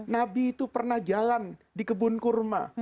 nabi itu pernah jalan di kebun kurma